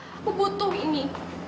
aku butuh ini